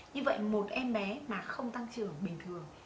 như vậy một em bé mà không tăng trưởng bình thường